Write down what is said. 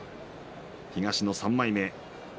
東の３枚目。